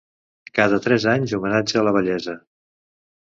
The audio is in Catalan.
Cada tres anys homenatge a la vellesa.